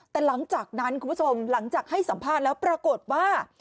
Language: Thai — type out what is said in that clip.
แต่หลังจากนั้นคุณผู้ชมหลังจากให้สัมภาษณ์แล้วปรากฏว่า